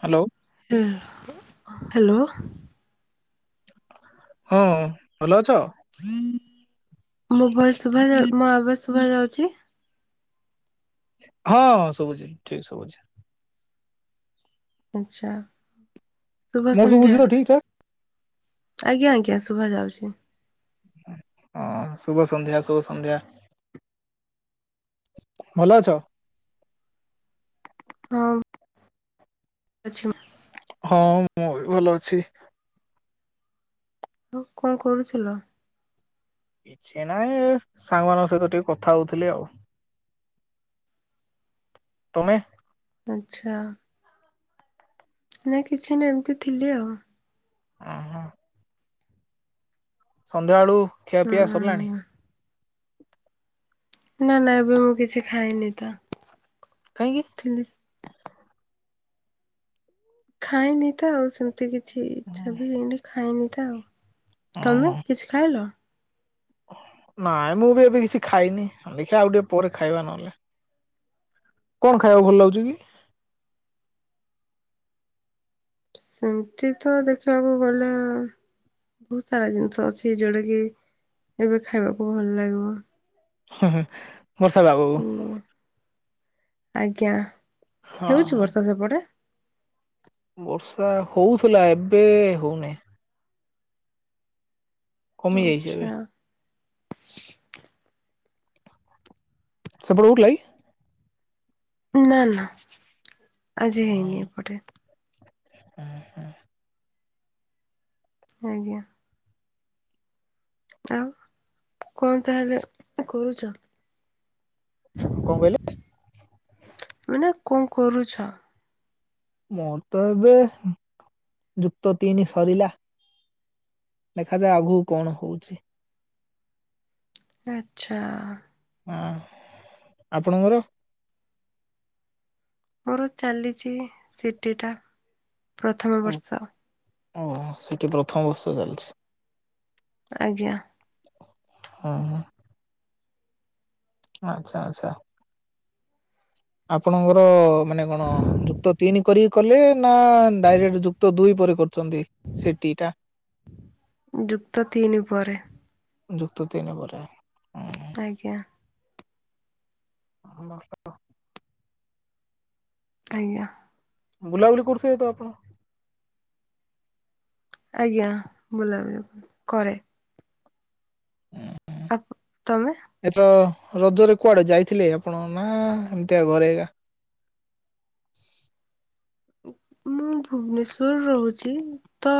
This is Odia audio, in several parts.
ହ୍ୟାଲୋ। ହ୍ୟାଲୋ ହଁ ଭଲ ଅଛ? ହୁଁ ମୋ ଭୟସ ଶୁଭାଯାଉ ମୋ ଆବାଜ ଶୁଭା ଯାଉଛି? ହଁ ସବୁଛି ଠିକ୍ ସବୁଛି। ଆଚ୍ଛା ଶୁଭ ମୋର ସନ୍ଧ୍ୟା। ଶୁଭୁଛି ତ ଠିକ ଠାକ୍? ଆଜ୍ଞା ଆଜ୍ଞା ଶୁଭା ଯାଉଛି। ହଁ ଶୁଭ ସନ୍ଧ୍ୟା ଶୁଭ ସନ୍ଧ୍ୟା। ଭଲ ଅଛ? ହଁ। ଆଚ୍ଛା। ହଁ ମୁଁ ବି ଭଲ ଅଛି। ଆଉ କଣ କରୁଥିଲ? କିଛି ନାହିଁ ସାଙ୍ଗମାନଙ୍କ ସହିତ ଟିକେ କଥା ହଉଥିଲି ଆଉ। ତୁମେ? ଆଚ୍ଛା। ନାଇଁ କିଛି ନାଇ ଏମିତି ଥିଲି ଆଉ। ଓହୋ। ସନ୍ଧ୍ୟାବେଳୁ ଖିଆ ହୁଁ ପିଆ ସରିଲାଣି? ନା ନା ଏବେ ମୁଁ କିଛି ଖାଇନି ତ। କାହିଁକି? ଥିଲି ଖାଇନି ତ ଆଉ ସେମିତି କିଛି ଇଚ୍ଛା ବି ହେଇନି ଖାଇନି ତ ଆଉ। ଓହୋ ତମେ କିଛି ଖାଇଲ? ନାଇଁ ମୁଁ ବି ଏବେ କିଛି ଖାଇନି ଦେଖିବା ଆଉ ଟିକେ ପରେ ଖାଇବା ନହେଲେ। କଣ ଖାଇବାକୁ ଭଲ ଲାଗୁଛି କି? ସେମିତି ତ ଦେଖିବାକୁ ଗଲେ ବହୁତ ସାରା ଜିନିଷ ଅଛି ଯୋଉଟା କିି ଏବେ ଖାଇବାକୁ ଭଲ ଲାଗିବ। ବର୍ଷା ପାଗକୁ ଲାଗିବ ଆଜ୍ଞା ହଁ ହଁ ହେଉଛି ବର୍ଷା ସେପଟେ? ବର୍ଷା ହଉଥିଲା ଏବେ ହଉନାଇ। କମି ଯାଇଛି ଏବେ ଆଚ୍ଛା। ସେପଟେ ହଉଥିଲା କି? ନା ନା ଆଜି ହେଇନି ଏପଟେ। ଏହେ ଆଜ୍ଞା। ଆଉ କଣ ତାହେଲେ କରୁଛ? କଣ କହିଲେ? ମାନେ କଣ କରୁଛ? ମୋର ତ ଏବେ ଯୁକ୍ତ ତିନି ସରିଲା। ଦେଖାଯାଉ ଆଗକୁ କଣ ହଉଛି। ଆଚ୍ଛା। ହଁ ଆପଣଙ୍କର? ମୋର ଚାଲିଛି ସିଟିଟା ପ୍ରଥମ ଓ ବର୍ଷ। ଓହୋ ସିଟି ପ୍ରଥମ ବର୍ଷ ଚାଲିଛି। ଆଜ୍ଞା। ହଁ ହଁ। ଆଚ୍ଛା ଆଚ୍ଛା। ଆପଣଙ୍କର ମାନେ କଣ ଯୁକ୍ତ ତିନି କରି କଲେ ନା ଡାଇରେକ୍ଟ ଯୁକ୍ତ ଦୁଇ ପରେ କରୁଛନ୍ତି ସିଟି ଟା? ଯୁକ୍ତ ତିନି ପରେ। ଯୁକ୍ତ ତିନି ପରେ। ହୁଁ। ଆଜ୍ଞା। [unintelligible] ଆଜ୍ଞା। ବୁଲାବୁଲି କରୁଥିବେ ତ ଆପଣ? ଆଜ୍ଞା ବୁଲାବୁଲି କରେ। ଉଁ ହୁଁ। ଆପ ତମେ? ଏ ତ ରଜରେ କୁଆଡେ ଯାଇଥିଲେ ଆପଣ ନା ଏମିତିଆ ଘରେ ଏକା? ମୁଁ ଭୁବନେଶ୍ଵର ରହୁଛି। ତ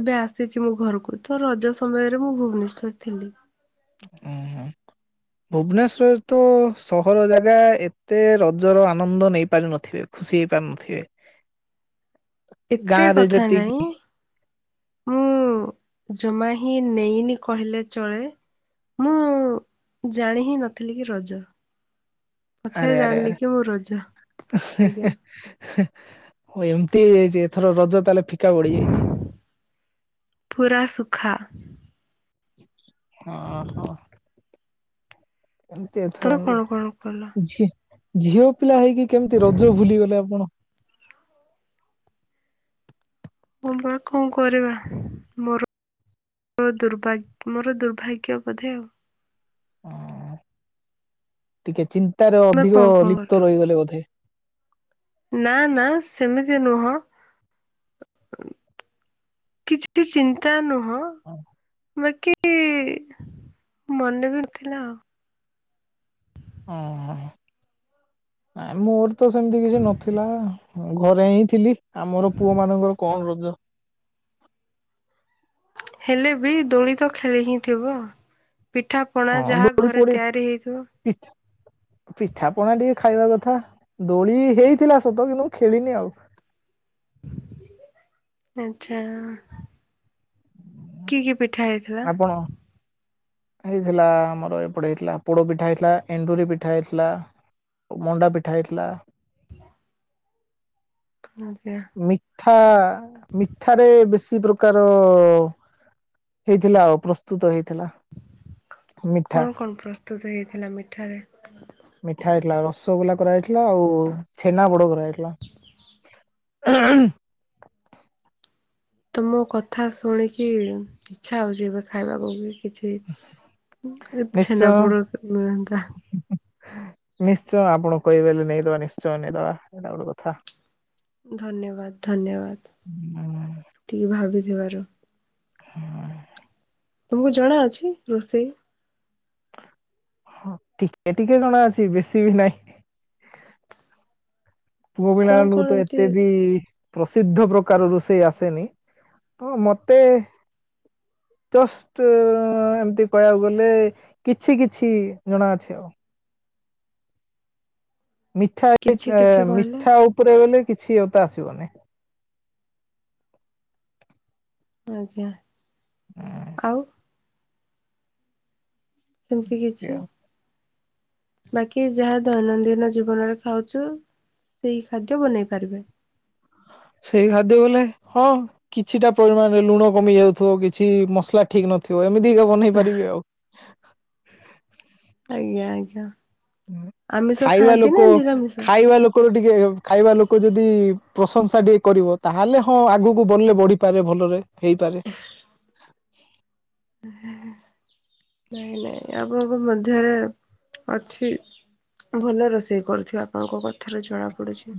ଏବେ ଆସିଛି ମୋ ଘରକୁ ତ ରଜ ସମୟରେ ମୁଁ ଭୁବନେଶ୍ଵରରେ ଥିଲି। ଉଁ ହୁଁ। ଭୁବନେଶ୍ୱର ତ ସହର ଜାଗା ଏତେ ରଜର ଆନନ୍ଦ ନେଇପାରିନଥିବେ। ଖୁସି ହେଇ ପାରୁନଥିବେ। ଏତେ ଗାଁ ରେ କଥା ଯେତିକି ନାଇଁ [unintelligible] ଜମା ହିଁ ନେଇନି କହିଲେ ଚଳେ। ମୁଁ ଜାଣି ହିଁ ନଥିଲି କି ରଜ। ପଛରେ ଆରେ ଆରେ ଜାଣିଲି କି ମୁଁ ରଜ ଆଜ୍ଞା ଆରେ। ଏମିତି ହେଇଯାଇଛି ଏଥର ରଜ ତାହେଲେ ଫିକା ପଡ଼ି ଯାଇଛି। ପୁରା ସୁଖା ହଁ ହଁ। ଏମତି ଏଥର ତମେ କଣ କଣ କଲ? ଝିଅ ପିଲା ହେଇକି କେମିତି ରଜ ଭୁଲିଗଲେ ଆପଣ। ହଁ ବା କଣ କରିବା ମୋର ମୋ ଦୁର୍ଭାଗ ମୋର ଦୁର୍ଭାଗ୍ୟ ବୋଧେ ଆଉ। ହ ଟିକେ ଚିନ୍ତାରେ ତମେ କଣ ଅଧିକ କଣ କଲ? ଲିପ୍ତ ରହିଗଲେ ବୋଧେ। ନା ନା ସେମିତି ନୁହଁ କିଛି ଚିନ୍ତା ନୁହଁ। [unintelligible] ବାକି ମନେ ନଥିଲା ଆଉ। ଓହୋ ନାଇଁ ମୋର ତ ସେମିତି କିଛି ନଥିଲା। ହଁ ଘରେ ହିଁ ଥିଲି ଆମର ପୁଅ ମାନଙ୍କର କଣ ରଜ। ହେଲେ ବି ଦୋଳି ତ ଖେଳି ହିଁ ଥିବ ପିଠାପଣା ହଁ ଯାହା ଦୋଳି ଘରେ ତିଆରି ହେଇଥିବ। [unintelligible] ପିଠାପଣା ଟିକେ ଖାଇବା କଥା ଦୋଳି ହେଇଥିଲା ସତ କିନ୍ତୁ ମୁଁ ଖେଳିନି ଆଉ। ଆଚ୍ଛା। କି କି ପିଠା ହେଇଥିଲା? ଆପଣ ହେଇଥିଲା ଆମର ଏପଟେ ହେଇଥିଲା ପୋଡ ପିଠା ହେଇଥିଲା ଏଣ୍ଡୁରି ପିଠା ହେଇଥିଲା। ମଣ୍ଡା ପିଠା ହେଇଥିଲା। ଆଜ୍ଞା। ମିଠା ମିଠାରେ ବେଶୀ ପ୍ରକାର ହେଇଥିଲା ଆଉ ପ୍ରସ୍ତୁତ ହେଇଥିଲା। ମିଠା କଣ କଣ ପ୍ରସ୍ତୁତ ହେଇଥିଲା ମିଠାରେ? ମିଠା ହେଇଥିଲା ରସଗୋଲା କରାଯାଇଥିଲା ଆଉ ଛେନା ବୋଡ କରାଯାଇଥିଲା। [inaudible] ତମ କଥା ଶୁଣିକି ଇଚ୍ଛା ହଉଛି ଏବେ ଖାଇବାକୁ ବି କିଛି ନିଶ୍ଚୟ ଛେନାପୋଡ ମିଳନ୍ତା ନିଶ୍ଚୟ ଆପଣ କହିବେଲେ ନେଇଦବା ନିଶ୍ଚୟ ନେଇଦବା ଏଇଟା ଗୋଟେ କଥା। ଧନ୍ୟବାଦ ଧନ୍ୟବାଦ ଟିକେ ଭାବିଥିବାରୁ। [unintelligible] ତମକୁ ଜଣା ଅଛି ରୋଷେଇ? ହଁ ଟିକେ ଟିକେ ଜଣା ଅଛି ବେଶୀ ବି ନାଇଁ। ପୁଅ କଣ ପିଲାମାନଙ୍କୁ କଣ ତ ଏମିତି ଏତେ ବି ପ୍ରସିଦ୍ଧ ପ୍ରକାର ରୋଷେଇ ଆସେନି ତ ମତେ ଜଷ୍ଟ ଏମିତି କହିବାକୁ ଗଲେ କିଛି କିଛି ଜଣା ଅଛି ଆଉ। ମିଠା କିଛି କିଛି କହିଲେ ମିଠା ଉପରେ ଗଲେ କିଛି ତ ଆସିବନି। ଆଜ୍ଞା ଆଉ? ସେମିତି କିଛି ବାକି ଯାହା ଦୈନନ୍ଦିନ ଜୀବନରେ ଖାଉଛ ସେଇ ଖାଦ୍ୟ ବନେଇ ପାରିବେ। ସେଇ ଖାଦ୍ୟ ବୋଲେ ହଁ କିଛିଟା ପରିମାଣରେ ଲୁଣ କମି ଯାଉଥିବ କିଛି ମସଲା ଠିକ ନଥିବ ଏମିତିକା ବନେଇ ପାରିବି ଆଉ। ଆଜ୍ଞା ଆଜ୍ଞା। ଆମିଷ ଖାଇବା ଖାଆନ୍ତି ନା ଲୋକ ନିରାମିଷ? ଖାଇବା ଲୋ କର ଟିକେ ଖାଇବା ଲୋକ ଯଦି ପ୍ରଶଂସା ଟିକେ କରିବ ତାହେଲେ ହଁ ଆଗକୁ ବନିଲେ ବଢିପାରେ ଭଲରେ। ହେଇପାରେ। [inaudible] ନାଇଁ ନାଇଁ ଆମଙ୍କ ମଧ୍ୟରେ ଅଛି ଭଲ ରୋଷେଇ କରୁଥିବେ ଆପଣଙ୍କ କଥାରୁ ଜଣା ପଡୁଛି।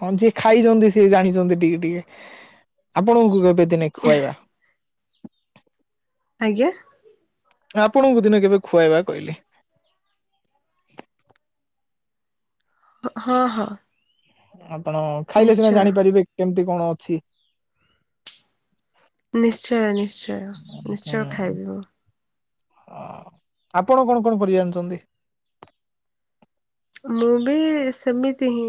ହଁ ଯିଏ ଖାଇଛନ୍ତି ସିଏ ଜାଣିଛନ୍ତି ଟିକେ ଟିକେ ଆପଣଙ୍କୁ କେବେ ଦିନେ ଖୁଆଇବା। ଆଜ୍ଞା। ଆପଣଙ୍କୁ ଦିନେ କେବେ ଖୁଆଇବା କହିଲି। ହଁ ହଁ। ଆପଣ ଖାଇଲେ ସିନା ନିଶ୍ଚୟ। ଜାଣିପାରିବେ କେମିତି କଣ ଅଛି। ନିଶ୍ଚୟ ନିଶ୍ଚୟ ନିଶ୍ଚୟ ଖାଇବି ମୁଁ। ଅ ଆପଣ କଣ କଣ କରି ଜାଣିଛନ୍ତି? ମୁଁ ବି ସେମିତି ହିଁ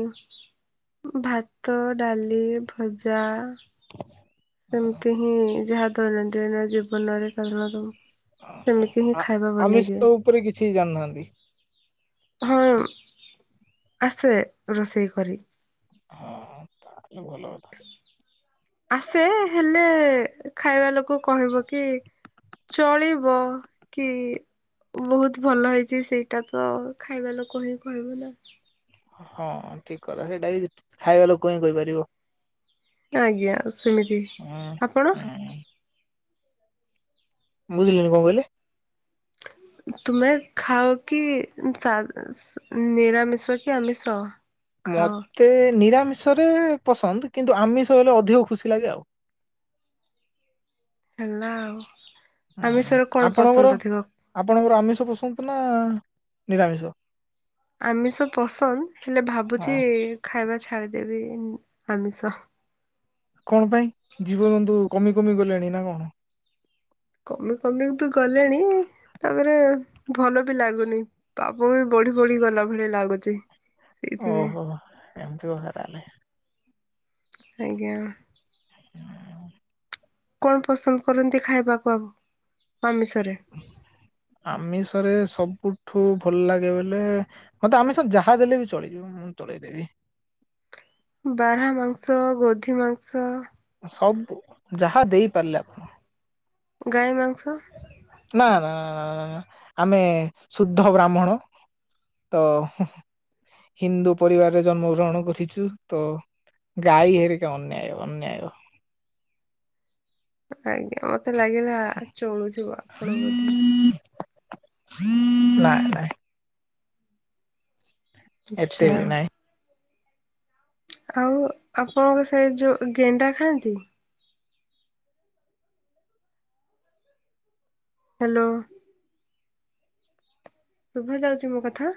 ଭାତ ଡାଲି ଭଜା ଏମତି ହିଁ ଯାହା ଦୈନନ୍ଦିନ ଜୀବନରେ [unintelligible] ସେମିତି ହିଁ ଖାଇବା ଆମିଷ ବନେଇଦିଏ। ଉପରେ କିଛି ଜାଣିନାହାନ୍ତି ହଁ ଆସେ ରୋଷେଇ କରି। ହଁ ତାହେଲେ ଭଲ ଅ ଆସେ ହେଲେ ଖାଇବା ଲୋକ କହିବ କି ଚଳିବ କି ବହୁତ ଭଲ ହେଇଛି ସେଇଟା ତ ଖାଇବା ଲୋକ ହିଁ କହିବ ନା ହଁ ଠିକ କଥା ସେଇଟା ବି ଖାଇବା ଲୋକ ହିଁ କହିପାରିବ। ଆଜ୍ଞା ସେମିତି [unintelligible] ଆପଣ ବୁଝିଲି ନି କଣକହିଲେ? ତୁମେ ଖାଅକି ତା ନିରାମିଷ କି ଆମିଷ? ଖାଅ ମତେ ନିରାମିଷରେ ପସନ୍ଦ କିନ୍ତୁ ଆମିଷ ହେଲେ ଅଧିକ ଖୁସି ଲାଗେ ଆଉ। ହେଲା ଆଉ ଆମିଷରେ କଣ ଆପଣଙ୍କର ପସନ୍ଦ ଥିବ? ଆପଣଙ୍କର ଆମିଷ ପସନ୍ଦ ନା ନିରାମିଷ? ଆମିଷ ପସନ୍ଦ ହେଲେ ହଁ ଭାବୁଛି ଖାଇବା ଛାଡ଼ିଦେବି ଆମିଷ। କଣ ପାଇଁ ଜୀବଜନ୍ତୁ କମି କମି ଗଲେଣି ନା କଣ? କମି କମି ତ ଗଲେଣି ତାପରେ ଭଲ ବି ଲାଗୁନି ପାପ ବି ବଢି ବଢି ଗଲା ଭଳିଆ ଲାଗୁଛି। ସେଇଥିପାଇଁ ଓହୋ ଏମିତି କଥା ତାହାଲେ। ଆଜ୍ଞା। କଣ ପସନ୍ଦ କରନ୍ତି ଖାଇବାକୂ ଆମିଷ? ଆମିଷରେ ସବୁଠୁ ଭଲ ଲାଗେ ବୋଲେ ମତେ ଆମିଷରେ ଯାହା ଦେଲେ ବି ଚଳିଯିବ। ମୁଁ ଚଳେଇ ଦେବି। ବାରା ମାଂସ ଗୋଧି ମାଂସ ସବୁ ଯାହା ଦେଇପାରିଲେ ଆପଣ। ଗାଈ ମାଂସ? ନା ନା ଆମେ ଶୁଦ୍ଧ ବ୍ରାହ୍ମଣ। ତ ହିନ୍ଦୁ ପରିବାରରେ ଜନ୍ମ ଗ୍ରହଣ କରିଛୁ ତ ଗାଈ ହେରିକ ଅନ୍ୟାୟ ଅନ୍ୟାୟ। ଆଜ୍ଞା ମତେ ଲାଗିଲା ଚୋଳୁ ଥିବ ଆପଣ ବୋଧେ ନାଇଁ ନାଇଁ ଏତେ ଆଚ୍ଛା ବି ନାଇଁ। ଆଉ ଆପଣଙ୍କ ସେ ଯୋଉ ଗେଣ୍ଡା ଖାଆନ୍ତି? ହ୍ୟାଲୋ। ଶୁଭା ଯାଉଛି ମୋ କଥା?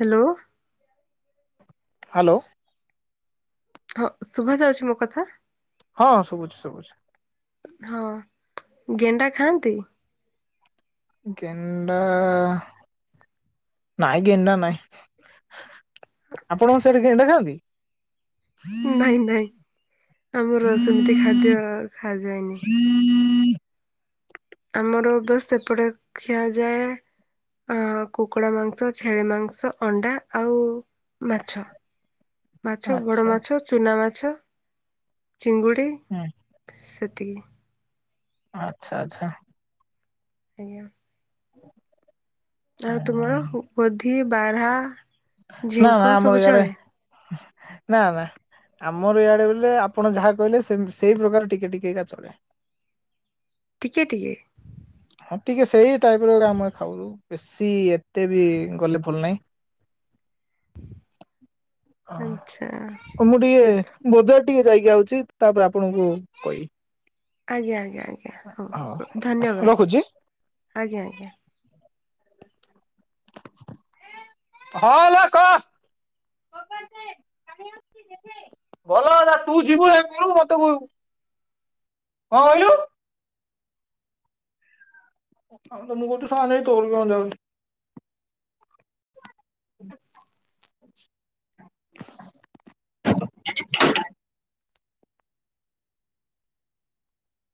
ହ୍ୟାଲୋ। ହ୍ୟାଲୋ। ହଁ ଶୁଭା ଯାଉଛି ମୋ କଥା? ହଁ ଶୁଭୁଛି ଶୁଭୁଛି। ହଁ ଗେଣ୍ଡା ଖାଆନ୍ତି? ଗେଣ୍ଡା ନାଇଁ ଗେଣ୍ଡା ନାଇଁ ଆପଣଙ୍କ ସେଠି ଗେଣ୍ଡା ଖାଆନ୍ତି? ନାଇଁ ନାଇଁ ଆମର ସେମିତି ଖାଦ୍ୟ ଖା ଯାଏନି। ଆମର ବାସ ସେପଟେ ଖିଆଯାଏ ଆ କୁକୁଡ଼ା ମାଂସ ଛେଳି ମାଂସ ଅଣ୍ଡା ଆଉ ମାଛ ମାଛ ବଡ଼ ଆଚ୍ଛା ମାଛ, ଚୁନା ମାଛ, ଚିଙ୍ଗୁଡ଼ି। ଉଁ ସେତିକି ଆଚ୍ଛା ଆଚ୍ଛା। ଆଜ୍ଞା। ଆଉ ହୁଁ। ତୁମର ଗୋଧି ବାରା? ନା ନା ଆମର ଇଆଡେ ନା ନା ଆମର ଇଆଡ଼େ ବୋଲେ ଆପଣ ଯାହା କହିଲେ ସେଇ ପ୍ରକାର ଟିକେ ଟିକେ ଏକା ଚଳେ। ଟିକେ ଟିକେ ହଁ ଟିକେ ସେଇ ଟାଇପ ର ଆମେ ଖାଉ ବେଶୀ ଏତେ ବି ଗଲେ ଭଲ ନାହିଁ। ହଁ ଆଚ୍ଛା। ମୁଁ ଟିକେ ବଜାର ଟିକେ ଯାଇକି ଆଉଛି ତାପରେ ଆପଣଙ୍କୁ କହିବି। ଆଜ୍ଞା ଆଜ୍ଞା ଆଜ୍ଞା ହଉ ହଁ ଧନ୍ୟବାଦ ରଖୁଛି। ଆଜ୍ଞା ଆଜ୍ଞା। ହଁ ମା କ ଭଲ କଥା ତୁ ଯିବୁ ନା କଣ ମତେ କହିବୁ କଣ କହିଲୁ? ଆମେ ତ [unintelligible] ଶଳା ତୁର କଣ ଯାଉଚି? [inaudible]